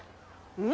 うん？